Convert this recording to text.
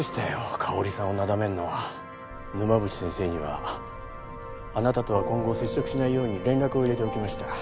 香織さんをなだめるのは沼淵先生にはあなたとは今後接触しないように連絡を入れておきました